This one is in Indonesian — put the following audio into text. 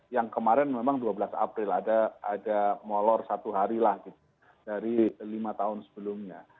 yang kemarin memang dua belas april ada molor satu hari lah gitu dari lima tahun sebelumnya